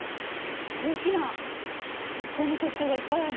大きな石こうの結晶がいっぱいある。